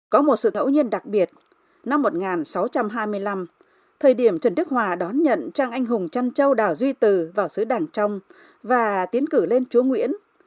có một sự ngẫu nhiên đặc biệt năm một nghìn sáu trăm hai mươi năm thời điểm trần đức hòa đón nhận trang anh hùng trăn châu đào duy từ vào xứ đảng trong và tiến cử lên chúa nguyễn